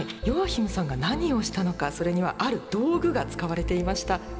ヨアヒムさんが何をしたのかそれにはある道具が使われていました。